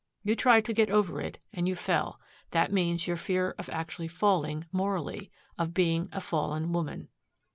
You tried to get over it and you fell. That means your fear of actually falling, morally, of being a fallen woman."